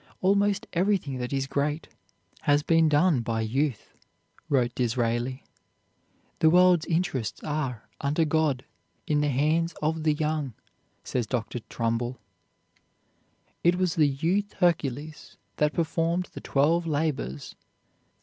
"Almost everything that is great has been done by youth," wrote Disraeli. "The world's interests are, under God, in the hands of the young," says Dr. Trumbull. It was the youth Hercules that performed the Twelve Labors.